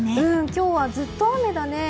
今日はずっと雨だね。